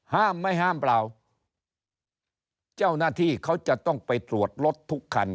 ห้ามไม่ห้ามเปล่าเจ้าหน้าที่เขาจะต้องไปตรวจรถทุกคัน